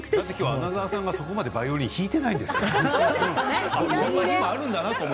穴澤さんがそこまでバイオリン弾いてないです。